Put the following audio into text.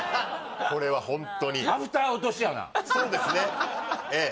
これはホントにそうですねええ